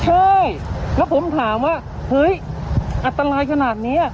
ใช่แล้วผมถามว่าเฮ้ยอันตรายขนาดนี้